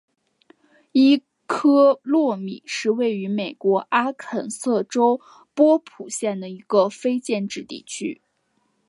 伊科诺米是位于美国阿肯色州波普县的一个非建制地区。